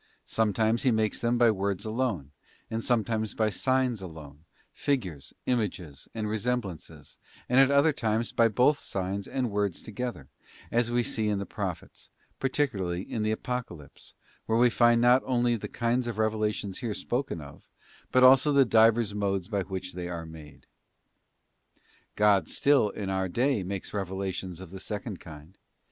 Sometimes He makes them by words alone, and sometimes by signs alone, figures, images, and resemblances, and at other times by both signs and words together; as we see in the Prophets, particularly in the Apocalypse, where we find not only the kinds of revelations here spoken of, but also the divers modes by which they are made. God still in our day makes revelations of the second kind.